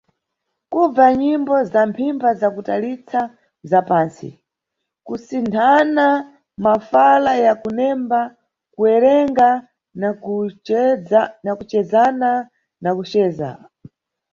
Kubva nyimbo za mphimpha za kutalitsa za pansti, kusinthana mafala ya kunemba kuwerenga na kujedzana na kuceza.